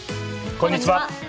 こんにちは。